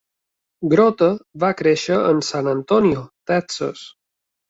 Grote va créixer en San Antonio, Texas.